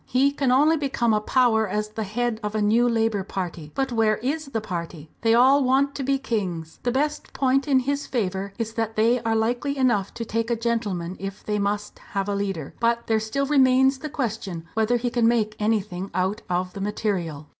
He can only become a power as the head of a new Labour party. But where is the party? They all want to be kings. The best point in his favour is that they are likely enough to take a gentleman if they must have a leader. But there still remains the question whether he can make anything out of the material."